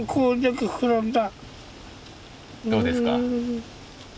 どうですか？